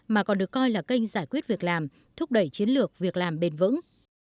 mà còn được coi là kênh giải quyết việc làm thúc đẩy chiến lược việc làm bền vững